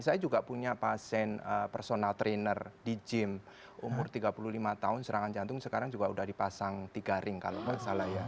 saya juga punya pasien personal trainer di gym umur tiga puluh lima tahun serangan jantung sekarang juga sudah dipasang tiga ring kalau nggak salah ya